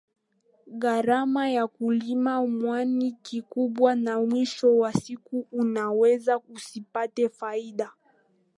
Gharama ya kulima mwani ni kubwa na mwisho wa siku unaweza usipate faida